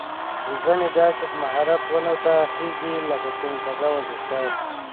وزه مې داسې په مهارت ونو ته خيږي لکه کوم تکړه ورزشکار.